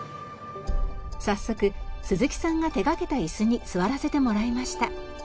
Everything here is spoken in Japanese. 早速鈴木さんが手がけた椅子に座らせてもらいました。